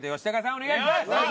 お願いします！